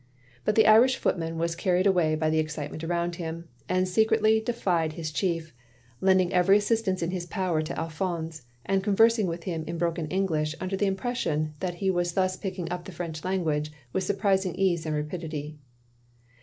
But the Irish footman was carried away by the excitement around him, and secretly defied his chief: lending every assistance in his power to Alphonse; and conversing with him in broken English under the impression that he was thus picking up the French language, with surprising ease and rapidity.